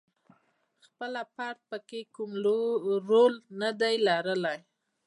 خپله فرد پکې کوم رول ندی لرلای.